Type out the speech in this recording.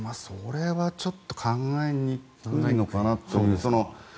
それはちょっと考えにくいのかなと。